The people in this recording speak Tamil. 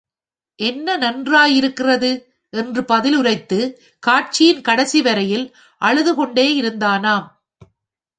என்ன நன்றாயிருக்கிறது! என்று பதில் உரைத்து, காட்சியின் கடைசிவரையில் அழுது கொண்டே இருந்தானாம்.